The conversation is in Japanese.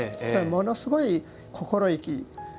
ものすごい心意気。